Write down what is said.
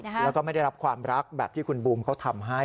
แล้วก็ไม่ได้รับความรักแบบที่คุณบูมเขาทำให้